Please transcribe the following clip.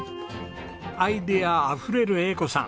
アイデアあふれる英子さん。